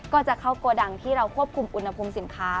ก็จะเข้าโกดังที่เราควบคุมอุณหภูมิสินค้า